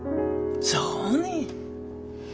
そうね。